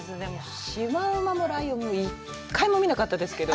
シマウマも、ライオンも１回も見なかったですけど。